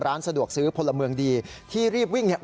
ร้านสะดวกซื้อพลเมืองดีที่รีบวิ่งเนี่ย